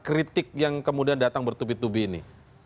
kritik yang kemudian datang bertubi tubi ini